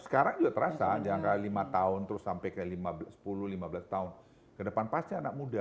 sekarang juga terasa jangka lima tahun terus sampai ke sepuluh lima belas tahun ke depan pasti anak muda